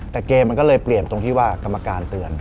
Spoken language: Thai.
แต่เกมมันก็เลยเปลี่ยนตรงที่ว่ากรรมการเตือน